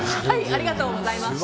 ありがとうございます。